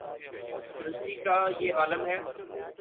درستی کا یہ عالم ہے۔